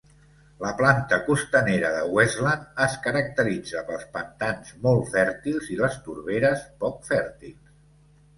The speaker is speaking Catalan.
La plana costanera de Westland es caracteritza pels pantans molt fèrtils i les torberes poc fèrtils.